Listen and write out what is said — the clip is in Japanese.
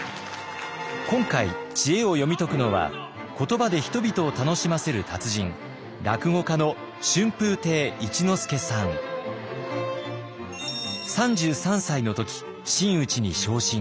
今回知恵を読み解くのは言葉で人々を楽しませる達人３３歳の時真打ちに昇進。